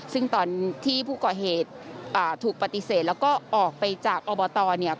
ซึ่งตอนที่ผู้ก่อเหตุถูกปฏิเสธแล้วก็ออกไปจากอบตเนี่ย